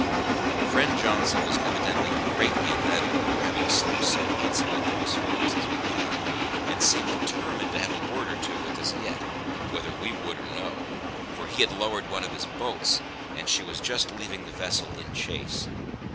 Friend Johnson was evidently greatly nettled at our having slipped so handsomely through his fingers as we had, and seemed determined to have a word or two with us yet, whether we would or no; for he had lowered one of his boats, and she was just leaving the vessel in chase.